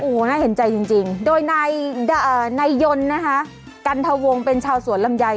โอ้โหน่าเห็นใจจริงโดยนายยนต์นะคะกันทวงเป็นชาวสวนลำไย